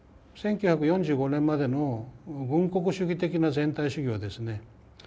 １９４５年までの軍国主義的な全体主義はですね